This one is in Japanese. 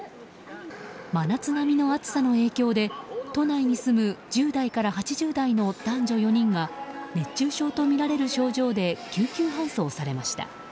真夏並みの暑さの影響で都内に住む１０代から８０代の男女４人が熱中症とみられる症状で救急搬送されました。